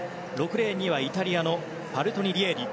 ６レーンにはイタリアのパルトリニエリ。